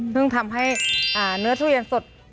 ซึ่งทำให้เนื้อทุเรียนสด